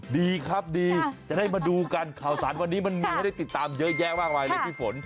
ดีครับดีจะได้มาดูกันข่าวสารวันนี้มันมีให้ได้ติดตามเยอะแยะมากมายเลยพี่ฝน